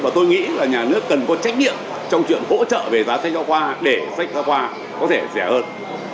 và tôi nghĩ là nhà nước cần có trách nhiệm trong chuyện hỗ trợ về giá sách giáo khoa để sách giáo khoa có thể rẻ hơn